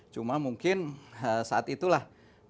cuma mungkin saat itulah